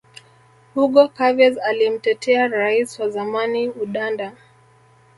hugo chavez alimtetea rais wa zamani udanda